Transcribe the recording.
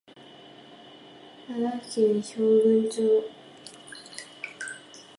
奈良県平群町